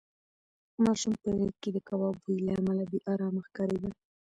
ماشوم په غېږ کې د کباب بوی له امله بې ارامه ښکارېده.